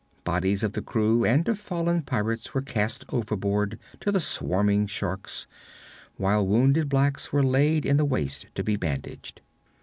Bodies of the crew and of fallen pirates were cast overboard to the swarming sharks, while wounded blacks were laid in the waist to be bandaged.